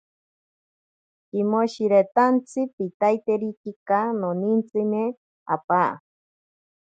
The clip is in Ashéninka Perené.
Kimoshiritantsi piitaiterikika, nonintsime apaa.